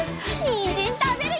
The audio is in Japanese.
にんじんたべるよ！